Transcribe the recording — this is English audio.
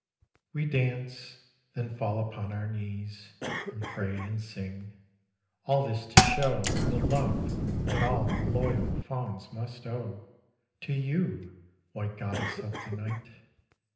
We dance : then fall upon our knees And pray and sing — all this to show The love that all loyal fauns must owe To you, white goddess of the night.